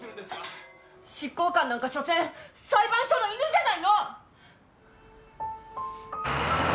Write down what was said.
執行官なんかしょせん裁判所の犬じゃないの！